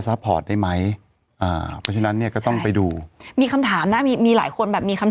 พอร์ตได้ไหมอ่าเพราะฉะนั้นเนี่ยก็ต้องไปดูมีคำถามนะมีมีหลายคนแบบมีคำ